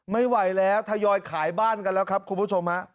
ไม่ไหวแล้วทยอยขายบ้านกันแล้วครับคุณผู้ชมฮะ